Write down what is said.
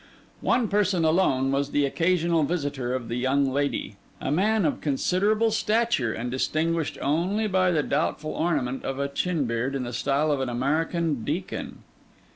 One person alone was the occasional visitor of the young lady: a man of considerable stature, and distinguished only by the doubtful ornament of a chin beard in the style of an American deacon.